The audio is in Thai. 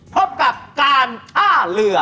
พบกับการท่าเรือ